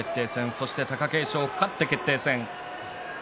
そして貴景勝勝って決定戦です。